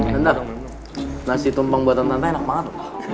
nanda nasi tumpang buatan tante enak banget